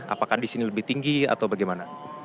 apakah di sini lebih tinggi atau bagaimana